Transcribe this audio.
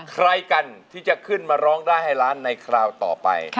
ใครกันที่จะขึ้นมาร้องได้ให้ล้านในคราวต่อไป